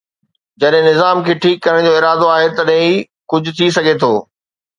جڏهن نظام کي ٺيڪ ڪرڻ جو ارادو آهي، تڏهن ئي ڪجهه ٿي سگهي ٿو.